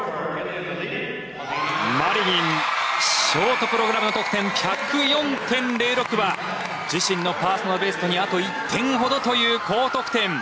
マリニンショートプログラムの得点１０４．０６は自身のパーソナルベストにあと１点ほどという高得点。